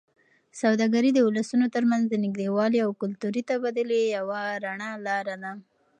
سوداګري د ولسونو ترمنځ د نږدېوالي او کلتوري تبادلې یوه رڼه لاره ده.